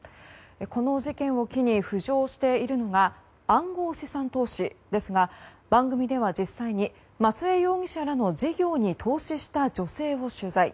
この事件を機に浮上しているのが暗号資産投資ですが番組では実際に松江容疑者らの事業に投資した女性を取材。